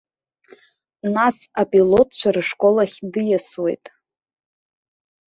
Нас апилотцәа рышкол ахь диасуеит.